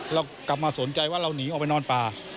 เรากลับมาสนใจว่าเราหนีออกไปนอนป่า